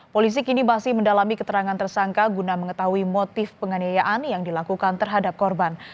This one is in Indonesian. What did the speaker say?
polisi kini masih mendalami keterangan tersangka guna mengetahui motif penganiayaan yang dilakukan terhadap korban